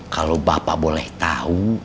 kalau bapak boleh tahu